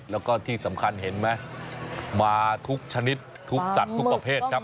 แล้วก็ที่สำคัญเห็นไหมมาทุกชนิดทุกสัตว์ทุกประเภทครับ